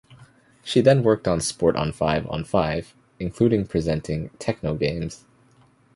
She then worked on Sport on Five on Five, including presenting Techno Games.